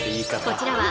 こちらは